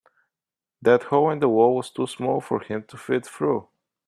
That hole in the wall was too small for him to fit through.